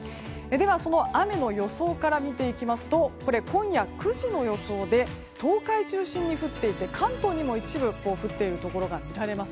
では、その雨の予想から見ていきますと今夜９時の予想で東海中心に降っていて、関東にも一部降っているところが見られます。